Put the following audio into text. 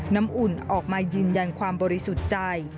น้ำอุ่นออกมายืนยันความบริสุทธิ์ใจ